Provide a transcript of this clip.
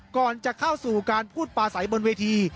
ก่อนจะเข้าสู่การพูดปลาใสบนเวที